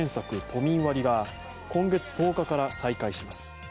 都民割が今月１０日から再開します。